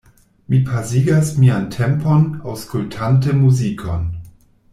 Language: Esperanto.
Mi pasigas mian tempon aŭskultante muzikon.